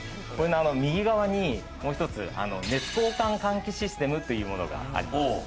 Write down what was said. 右側にもう一つ、熱交換換気システムっていうものがあります。